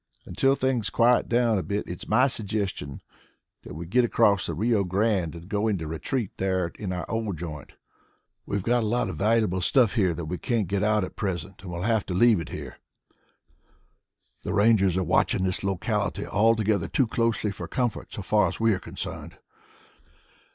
Until things quiet down a little it is my suggestion that we get across the Rio Grande and go into retreat there in our old joint. We've got a lot of valuable stuff here that we can't get out at present and we'll have to leave it here. The Rangers are watching this locality altogether too closely for comfort so far as we are concerned.